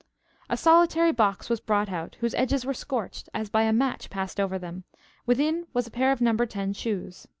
A solitary box was brought out, whose edges were scorched, as by a match passed over them; within was a pair of number ten shoes.